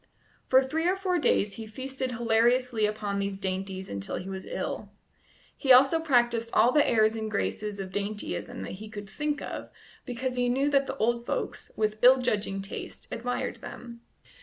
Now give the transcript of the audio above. For three or four days he feasted hilariously upon these dainties until he was ill. He also practised all the airs and graces of dandyism that he could think of, because he knew that the old folks, with ill judging taste, admired them.